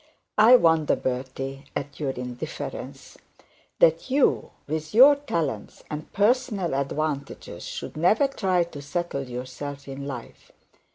I wonder, Bertie, at your indifference; that you, with your talents and personal advantages, should never try to settle yourself in life.